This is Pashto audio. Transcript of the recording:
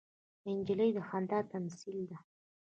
نجلۍ د خندا تمثیل ده.